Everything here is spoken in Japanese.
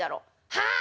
「はあ？」。